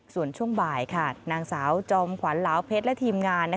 ส่วนช่วงบ่ายนางสาวจอมขวัญลาวเพชรและทีมงาน